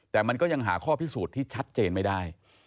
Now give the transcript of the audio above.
แต่มันก็ยังหาข้อพิสูจน์ที่ชัดเจนไม่ได้